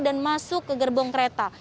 dan masuk ke gerbong kereta